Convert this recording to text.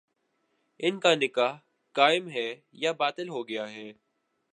ان کا نکاح قائم ہے یا باطل ہو گیا ہے